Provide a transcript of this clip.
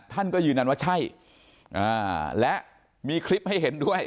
ท่านก็ยืนยันว่าใช่และมีคลิปให้เห็นด้วย